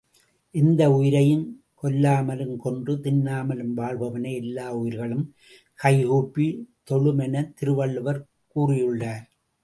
எந்த உயிரையும் கொல்லாமலும் கொன்று தின்னாமலும் வாழ்பவனை எல்லா உயிர்களும் கைகூப்பித் தொழும் எனத் திருவள்ளுவர் கூறியுள்ளார்.